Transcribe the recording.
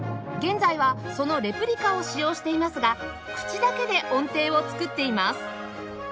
現在はそのレプリカを使用していますが口だけで音程を作っています